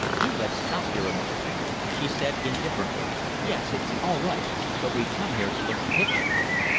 Do let's stop here a minute." She said, indifferently: "Yes, it's all right. But we've come here to look at pictures."